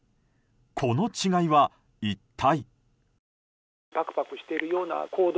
この違いは一体？